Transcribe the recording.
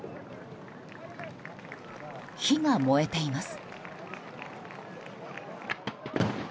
火が燃えています。